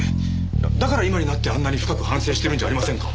だから今になってあんなに深く反省しているんじゃありませんか。